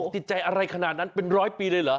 ติดใจอะไรขนาดนั้นเป็นร้อยปีเลยเหรอ